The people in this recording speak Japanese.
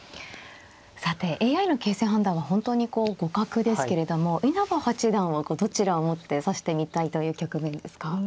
さてＡＩの形勢判断は本当にこう互角ですけれども稲葉八段はどちらを持って指してみたいという局面ですか。